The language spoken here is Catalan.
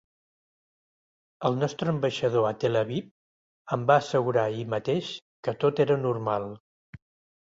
El nostre ambaixador a Tel Aviv em va assegurar ahir mateix que tot era normal.